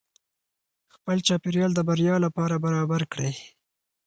خپل چاپیریال د بریا لپاره برابر کړئ.